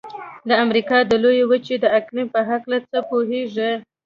د امریکا د لویې وچې د اقلیم په هلکه څه پوهیږئ؟